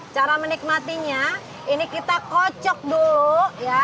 cara menikmatinya ini kita kocok dulu ya